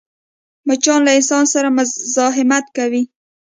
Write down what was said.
مچان له انسان سره مزاحمت کوي